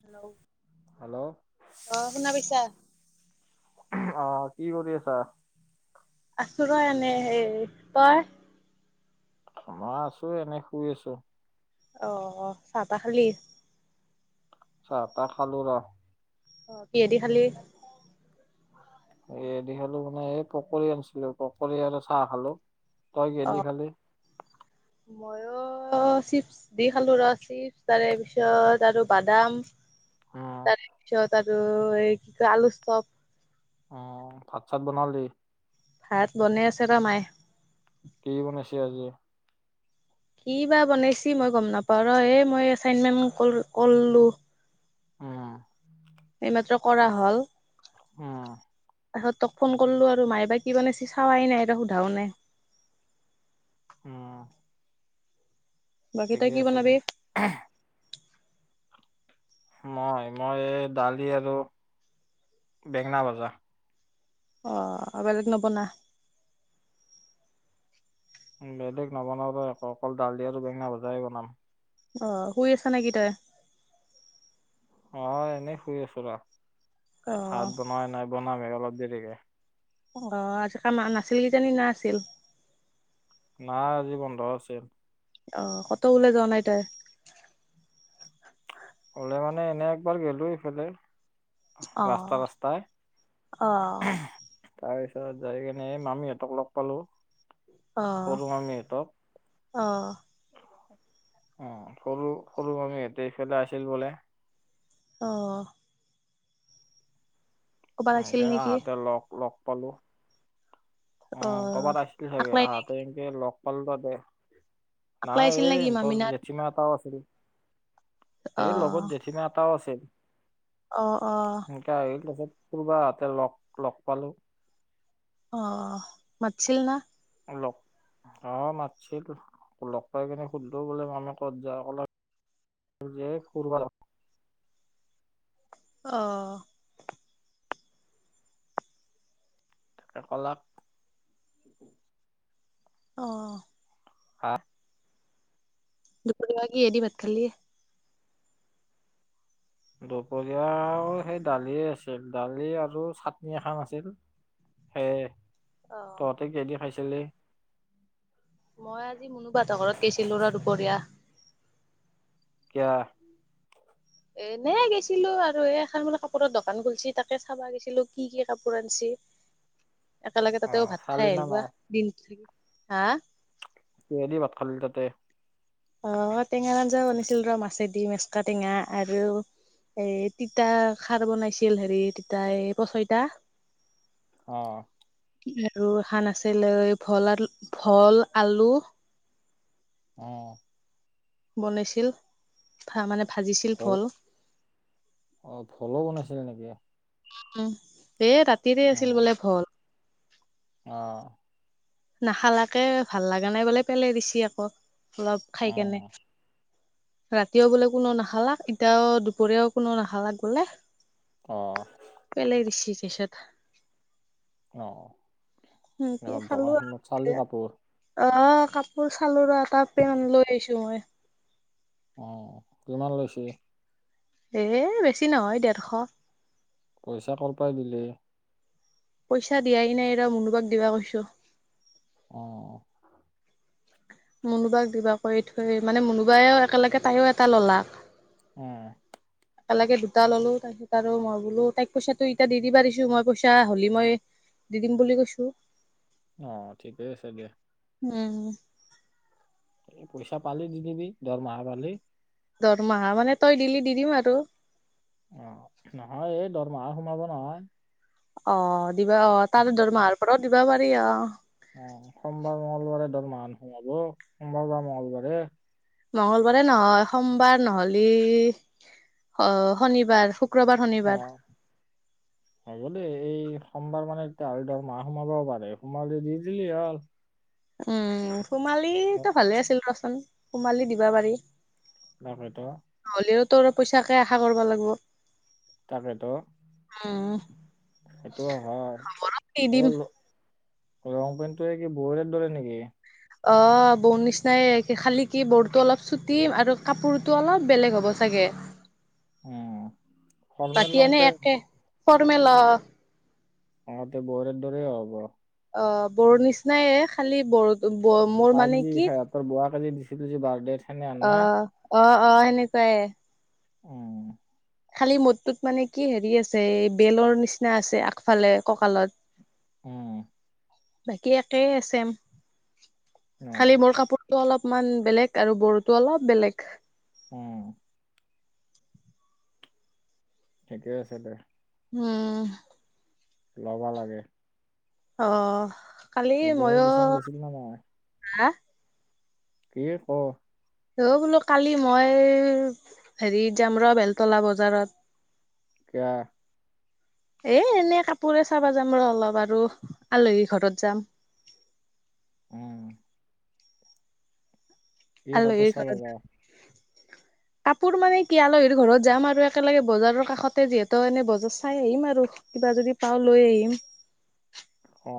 Hello hello অ' শুনা পাইছা? অ'কি কৰি আছা? আছোঁ ৰ এনে হে তই? মই আছো এনে শুই আছো। আ চাহ-টাহ খালি? চাহ তাহ খালো ৰ। অ' কিহে দি খালি? কিহেদি খালোঁ মানে এই পকৰী আনিছিলোঁ পকৰী আৰু চাহ খালোঁ। তই কিহেদি খালি? মইও চিপছ দি খালোঁ ৰ চিপছ তাৰে পিছত আৰু বাদাম উম তাৰপিছত আৰু এই আলু শ্বপ। অ ভাত চাত বনালি? ভাত বনাই আছে ৰ মায়ে। কি বনাইছে আজি? কি বা বনাইছি মই গম নাপাওঁ ৰ হ মই এচাইনমেন্ট কলো। উম। এইমাত্ৰ কৰা হ'ল। উম। তাহত তক ফোন কৰিলো আৰু মাই বাা কি মানে চাৱাই নাই এ সোধাও নে। উম। বাকী, তই ঠিকে কি আছে দে। বনাবি? মই মই এই দালি আৰু বেঙেনা ভজা। অ' আ বেলেগ নবনা। উ বেলেগ নবনাও আৌ অকল দালি আৰু বেঙেনা ভজাই বনাম। অ শুই আছা নেকি তই? অ এনেই শুই আছো ৰ অ ভাত বনোৱাই নাই বনামে অলপ দেৰিকে। আহ আজি কাম অহা নাছিলে যে জানি না আছিল। নাই আজি বন্ধ আছিল। অ' ক'তো ওলায় যোৱা নাই তাই হ'লে মানে এনে একবাৰ গলোঁ ইফালে। অ ৰাস্তা ৰাস্তাই। অ তাৰপিছত যাইকিনে এই মামীহঁতক লগ পালোঁ। অহ' অহ'। অ' সৰু সৰু মামীহঁতে ইফালে আছিল বোলে। অহ' আছিল একে নেকি আহাতে লগ লগ পালো। অ' কৰ'বাত আহিছিল চাগে আকলাই আহটে এনেকে লগ পালোঁ তাতে। আকলাই নাই আছিল এই নেকি সিহঁতৰ মামিনা জেঠি মা এটাও আছিল। অ এই লগত জেঠিমা এটাও আছে। অ অ সেনেকা এই লগত ক'ৰবাত তাৰলগ লগ পালোঁ। অ' মাতিছিল না? লগ [inaudible] অ' মাতিছিল লগ পাই কিনে সুধিলোঁ বোলে মামী ক'ত যাওঁ কলেক যে ফুৰিবা যাওঁ। আহ। এই কলাক। অ'। হা। দুপুৰীয়া কিহে দি ভাত খালি? দুপৰীয়া আৰু সেই দালিয়ে আছিল দালি আৰু চাটনি এখন আছিল। সেই, অ তহঁতে কিহেদি খাইছিলি? মই আজি মুনুবা হাতৰ ঘৰত গৈছিলো ৰ দুপৰীয়া। কিয়া? এনে গৈছিলোঁ আৰু এ এখন বোলে কাপোৰৰ দোকান খুলিছে তাকে চাবা গৈছিলোঁ কি কি কাপোৰ আনিছে। একেলগে তাতেও অ' ভাত চালি খাই না আহিলো আ, নাই দিন থাকি। হা। কিহে দি ভাত খালি তাতে। অহ' টেঙা আঞ্জা বনাইছিল ৰ মাছেদি মেচকা টেঙা আৰু। এ তিতা খাৰ বনাইছিল হেৰি তিতা এই পচইতা। অহ'। আৰু এখন আছিলে, ভলা ভল-আলু। অ'। বনাইছিল, ভা মানে। ভাজিছিল ভোল ভল অ ভোলো বনাইছিলে নেকি। উম এ ৰাতিৰে আছিল অ' বোলে ভল। অ। নাখালাকে ভাল লাগা নাই বোলে পেলে দিছি আকৌ অলপ খাই কেনে। অ' ৰাতিও বোলে কোনো নাখালা। এতিয়াও দুপৰীয়াও কোনো নাখালাক বোলে। অ' পেলাই দিছি। [unintelligible] অ সেনেকে ইহঁত দোকানখনত চালি কাপোৰ। অহ' কাপোৰ চালো ৰহ। তাৰ পেণ্টত লৈ আহিছো মই। অ কিমান লৈছে। এ, বেছি নহয় ডেৰশ। পইচা কৰ পৰা দিলি। পইচা দিয়াই নাই ৰ, মুনুবাক দিবা কৈছো। অ। মুনুবাক দিবা কৰি থৈ মানে মুনুবাইও একেলগে তাইও এটা ল'লাক। উম'। একেলগে দুটা ললো তাৰপিছত আৰু মই বোলো তাইক পইচাটো ইটা দি দিবা দিছো। মই পইচা হ'লি মই। দি দিম বুলি কৈছো। অ ঠিকেই আছে দে। উম। এ পইচা পালি দি দিবি দৰমহা পালি। দৰমহা মানে তই দিলি দি দিম আৰু। অ' নহয় এই দৰমহা সোমাব নহয়। অ দিবা অ তাৰ দৰমহাৰ পৰাও দিবা পাৰি অ। অহ' সোমবাৰ মঙ্গলবাৰে দৰমহা সোমাব। সোমবাৰ বা মঙ্গলবাৰে। মংগলবাৰে নহয় সোমবাৰ নহলি অ শনিবাৰ। শুক্ৰবাৰ শনিবাৰ অহ' হ'ব দেই, এই সোমবাৰ মানে। [unintelligible] তোৰ মাহ সোমাব পাৰে সোমালি দি দিলি হ'ল। উম সোমালী ভালে আছিল কচোন সোমালি দিবা পাৰি। তাকেটো। নহ'লেও তোৰ পইচাকে আশা কৰিব লাগিব। তাকেটো। উম, সেইটো হয়। কি দিম [unintelligible] লং পেণ্টটো কি বৌৰেৰ দৰে নেকি। অ বৌ নিচিনাই খালি কি বৌৰটো অলপ চুটি আৰু কাপোৰতো অলপ বেলেগ হ'ব চাগে। কে। অ ফৰ্মেল এনে লংপেন। একে ফৰ্মেল অ। অহ' তে বৈয়েৰেৰ দৰে হ'ব। অ বড়ো নিচিনায়ে খালি বৰ। পাই যি সেহতৰ বোৱাকেজি দিছিলো যে বাৰ্থডে চেনে আননা অ', অ অ সেনেকুৱাই।। উম খালী মোৰটোত মানে কি হেৰি আছে এই বেলৰ নিচিনা আছে আগফালে ককালত উম বাকী একেই চেম অ খালি মোৰ কাপোৰটো অলপ অকমান বেলেগ আৰু বড়োতো অলপ বেলেগ উম ঠিকেই আছে দে উম লবা লাগে। অ কালি গুণু মইও টিউচন গৈছিল নে নাই হা। কি ক। অ বোলো কালি মই হেৰিত যাম ৰ বেলতলা বজাৰত। কিয়। এ এনে কাপোৰে চাবা যাম ৰ অলপ আৰু আলহী ঘৰত যাম [inaudible] উম। এই কাপো আলহীৰ চাব ঘৰত যাও [unintelligible] কাপোৰ মানে কি আলহীৰ ঘৰত যাম আৰু একেলগে বজাৰৰ কাষতে যিহেতু এনে বজাৰ চাই আহিম আৰু কিবা যদি পাও লৈ আহিম অ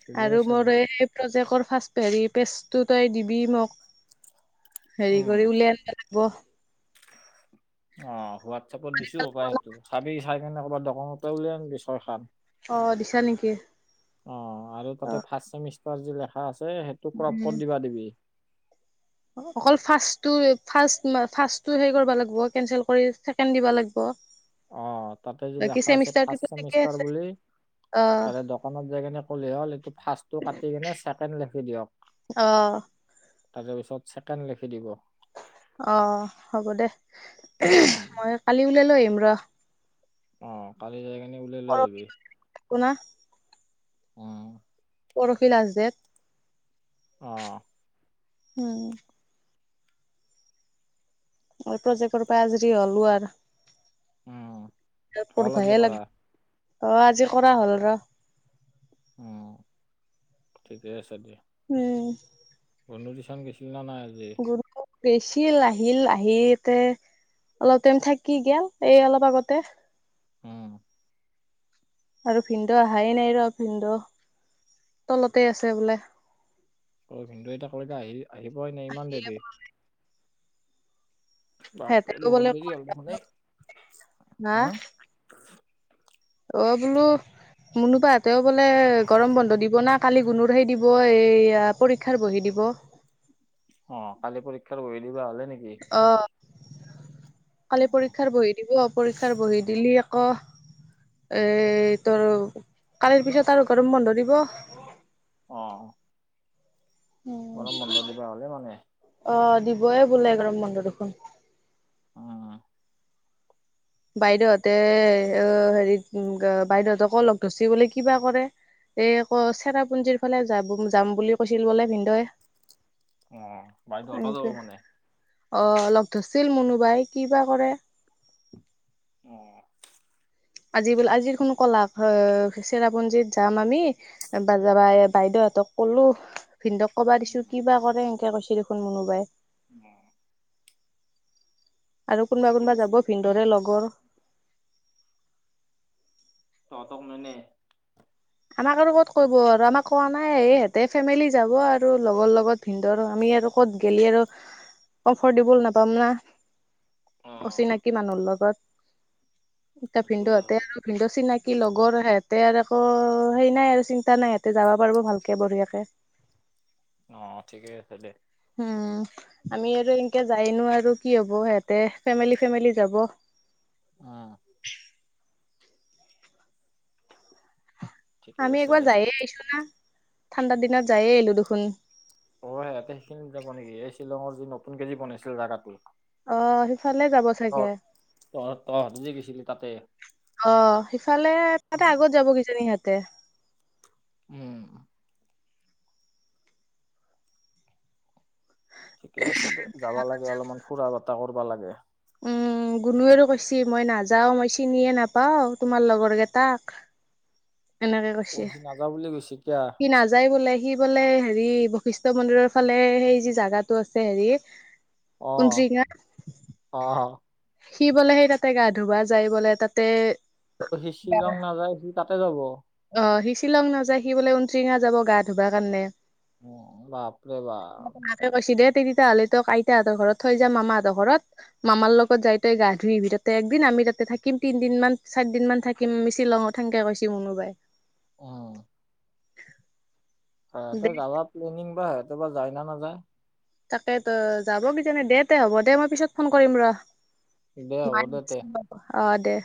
ঠিকে আৰু আছে দে মোৰ এই প্ৰজেক্টৰ ফাৰ্ষ্ট হেৰি পেজটো তই দিবি মোক হেৰি উম কৰি উলিয়াই আনিব লাগিব। অ হোৱাটছএপত দিছো সেইটো চাবি চাই কেনে ক'ৰবাত দোকানৰ পৰা লৈ আনবি ছয় খান অ দিছা নিকি অ আৰু তাতে ফাৰ্ষ্ট চেমিষ্টাৰ যি লেখা আছে সেইটো ক্ৰপ উম কৰি দিবা দিবি অকল ফাছটো ফাছটো সেই কৰিব লাগিব কেনচেল কৰি ছেকেণ্ড দিব লাগিব। [unintelligible] অ তাতে যি বাকী লেখা আছে ফাৰ্ষ্ট চেমিষ্টাৰটোতো ঠিকে চেমিষ্টাৰ আছে বুলি অ ত দোকানত যাই কিনে ক'লে হ'ল এইটো ফাৰ্ষ্ট টো কাটি কেনে ছেকেণ্ড লিখি দিয়ক অ তাৰ পিছত ছেকেণ্ড লিখি দিব অ হ'ব দে উম মই কালি ওলাই লৈ আহিম ৰ আহ কালি যাই কিনি ওলাই লৈ আহিবি। পোনা। অ পৰখি লাষ্ট দেট। আহ। উম। প্ৰজেক্টৰ পৰা আজৰি হ'লো আৰু উম হ'ল আজি কৰা [unintelligible] আজি কৰা হ'ল ৰ। উম ঠিকেই আছে দিয়া। উম। বন্ধু টিউচন গৈছিল ন নাই আজি। গাইছিল আহিল আহি এতে। অলপ টাইম থাকি গেল এই অলপ আগতে। উম আৰু ভিন্দ অহাই নাই ৰ ভিনন্দ তলতে আছে বোলে। অ ভিন্দে এতিয়া কবাপা আহি আহি পোৱাই নাই ইমান দেৰি বাপৰে বহুত দেৰি হ'ল দেখোন এই হা [unintelligible] অ বোলো মুনোপাহঁতেও বোলে গৰম বন্ধ দিব না কালি গুণুৰেই দিব এই পৰীক্ষাৰ বহি দিব [unintelligible] অ কালি পৰীক্ষাৰ বহী দিবা হলে নিকি কালি পৰীক্ষাৰ বহি দিব পৰীক্ষাৰ বহি দিলি আক অ', এই তৰ কালিৰ পিছত আৰু গৰম বন্ধ দিব। অ'। গৰম বন্ধ দিবা হ'লে মানে? দিবই বোলে গৰম বন্ধ দেখোন। অ বাইদেউহঁতে অ হেৰি বাইদেউহতকো লগ ধৰচি বুলি কিবা কৰে এই ক চেৰাপুঞ্জিৰ ফালে যাব যাম বুলি কৈছিল বোলে ভিনদই অ', বাইদেও হতো যাব মানে? অ লগ ধৰছিল মুনু বাই কি বা কৰে অ আজি বোলে আজিৰ দোখোন কলাক চেৰাপুঞ্জীত যাম আমি বা যাবা বাইদেউ হতক কলো ভিনদাক কবা দিছো উম কিবা কৰে এনকে কৈছি দেখোন মোনোবাই [unintelligible] আৰু কোনবা ঠিকেই কোনবা আছে যাব দে ভিনদৰে লগৰ। ত হতক নিনিয়ে আমাক আৰু ক'ত কব আৰু আমাক কোৱা নাই ই হেতে ফেমিলি যাব আৰু লগৰ লগত ভিনদৰ আৰু আমি সিহত লগত গলি আৰ কম্ফটেবুল নাপাম না অ অচিনাকি মানুহ লগত। এ সেইটো ভিনদুহতে হয় আৰু ভিনদু চিনাকি লগৰ সেহঁতে আৰু আকৌ সেই নাই আৰু চিন্তা নাই ইহতে যাব পাৰব ভালকে বঢ়িয়াকে অ ঠিকেই আছে দে উম। আমি আৰু এনেকে যায়নো আৰু কি হব হেতে ফেমিলি ফেমিলি যাব উম ঠিকে আমি আছে একবাৰ দে যায়ে আহিছো না ঠাণ্ডা দিনত যায়ে আহিলো দেখোন অ হে হতে সেইখিনি যাব নিকি এই শ্বিলঙৰ যি নতুনকে যি বনছি যে জাগাটো অ', সিফালে যাব অ চাগে। তহঁত তহঁত যি গিছিলি তাতে অ', সিফালে তাতে উম, আগত যাব কি জানি সিহতে। উম ঠিকে আছে দে যাবা লাগে অলপমান ফুৰা বতাহ কৰবা লাগে উম, গুনুয় আৰু কৈছি মই নাযাও মই চিনিয়ে নাপাও তোমাৰ লগৰ গেতাক। এনেকে অ কৈছি সি নাযাওঁ বুলি কৈছে কিয়া সি নাযায় বোলে সি বোলে হেৰি বশিষ্ঠ মন্দিৰৰ ফালে সেই যি জাগাটো আছে হেৰি অ', ঊনটিঙা অ'। সি বোলে সেই তাতে গা ধুবা যাই বলে তাতে অ সি গা শ্বিলং নাযায় সি তাতে যাব অ', সি শ্বিলং নাযায় সি বোলে [unintelligible] যাব গা ধুবা কাৰণে। উম বাপৰে মাকে বাপ কৈছি দে তেতিয়াহ'লে তোক আইতাহঁতৰ ঘৰত থৈ যাম মামাহঁতৰ ঘৰত মামাৰ লগত কত যাই তই গা ধুই আহিবি তাতে একদিন আমি তাতে থাকিম তিনদিন মান চাৰদিন মান থাকিম আমি শ্বিলঙত সেনকে কৈছিল মনোবাই অ'। সিহঁতে দে যাবা প্লেনিং বা সিহঁতে বা যায় না নাযায় তাকে তো যাব কিজানি দে তে হ'ব দে মই পিছত ফোন কৰিম ৰ দে হ'ব মান দে তে [unintelligible] অহ দে